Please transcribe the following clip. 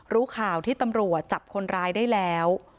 รู้ข่าวที่ตำรวจจับคนร้ายได้แล้ว